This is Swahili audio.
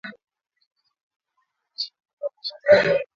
utahitaji viazi lishe gram ishirini